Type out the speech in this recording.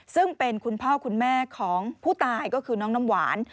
ซึ่งเป็นคุณพ่อคุณแม่ของผู้ตายก็คือน้องน้ำหวาน